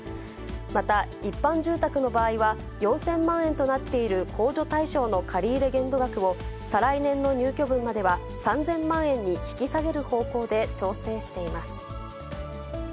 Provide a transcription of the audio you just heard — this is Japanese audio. また、一般住宅の場合は、４０００万円となっている控除対象の借り入れ限度額を再来年の入居分までは、３０００万円に引き下げる方向で調整しています。